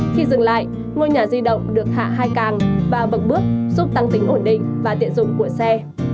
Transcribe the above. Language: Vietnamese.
khi dừng lại ngôi nhà di động được hạ hai càng và bậc bước giúp tăng tính ổn định và tiện dụng của xe